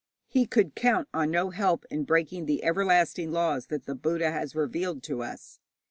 He could count on no help in breaking the everlasting laws that the Buddha has revealed to us.